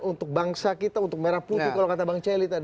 untuk bangsa kita untuk merah putih kalau kata bang celi tadi